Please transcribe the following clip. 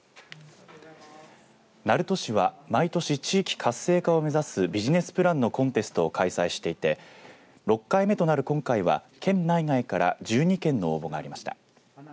鳴門市は毎年、地域活性化を目指すビジネスプランのコンテストを開催していて６回目となる今回は県内外から１２件の応募がありました。